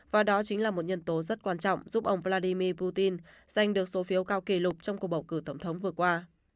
và đó chính là một nhân tố rất quan trọng giúp ông vladimir putin giành được số phiếu cao kỷ lục trong cuộc bầu cử tổng thống vừa qua